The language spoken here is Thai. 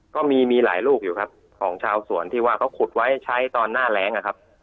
ก็มีมีหลายลูกอยู่ครับของชาวสวนที่ว่าเขาขุดไว้ใช้ตอนหน้าแรงนะครับ